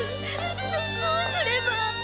どどうすれば